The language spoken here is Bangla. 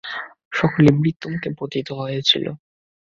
সকলেই মৃত্যুমুখে পতিত হয়েছিল।